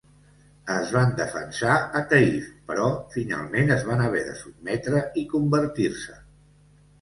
Es van defensar a Taïf però finalment es van haver de sotmetre i convertir-se.